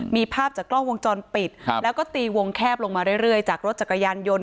มีภาพจากกล้องวงจรปิดแล้วก็ตีวงแคบลงมาเรื่อยจากรถจักรยานยนต